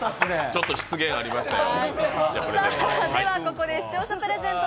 ちょっと失言ありましたよ。